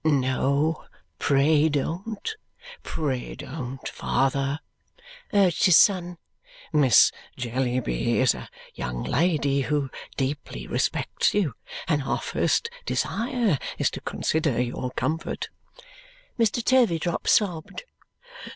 "No, pray don't! Pray don't, father," urged his son. "Miss Jellyby is a young lady who deeply respects you, and our first desire is to consider your comfort." Mr. Turveydrop sobbed.